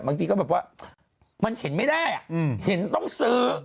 บางทีก็แบบว่ามันเห็นไม่ได้เห็นต้องซื้อ